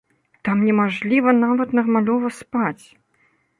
Там не мажліва нават нармалёва спаць.